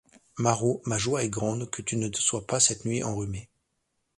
Marot, ma joie est grande Que tu ne te sois pas cette nuit enrhumé.